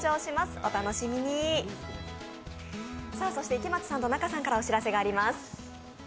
池松さんと仲さんからお知らせがあります。